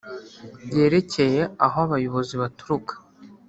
yerekeye aho abayobozi baturuka